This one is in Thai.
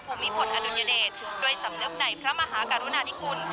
ภูมิพลอดุลยเดชด้วยสำนึกในพระมหากรุณาธิคุณ